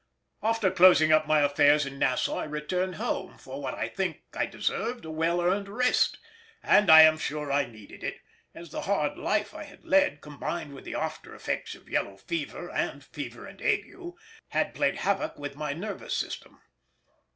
After closing up my affairs in Nassau I returned home for, what I think I deserved, a well earned rest; and I am sure I needed it, as the hard life I had led, combined with the after effects of yellow fever and fever and ague, had played havoc with my nervous system.